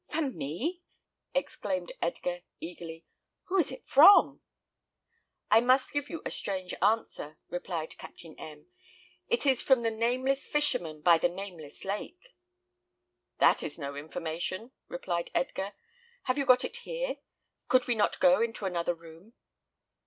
"For me!" exclaimed Edgar, eagerly. "Who is it from?" "I must give you a strange answer," replied Captain M . "It is from the Nameless Fisherman by the Nameless Lake." "That is no information," replied Edgar. "Have you got it here? Could we not go into another room?"